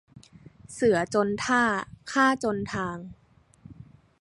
เสือจนท่า ข้าจนทาง